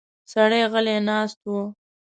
سړی غلی ناست و.